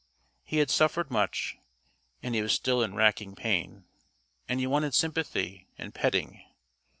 He had suffered much and he was still in racking pain, and he wanted sympathy and petting.